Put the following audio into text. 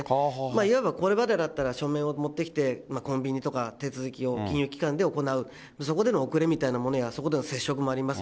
いわばこれまでだったら書面を持ってきて、コンビニとか、手続きを金融機関で行う、そこでの遅れみたいなものや、そこでの接触もあります。